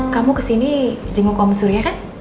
kamu kesini jenguk om surya kan